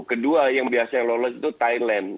kedua yang biasanya lolos itu thailand